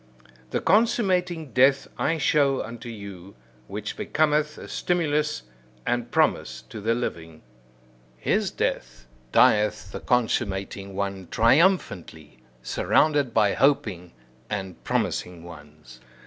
The consummating death I show unto you, which becometh a stimulus and promise to the living. His death, dieth the consummating one triumphantly, surrounded by hoping and promising ones.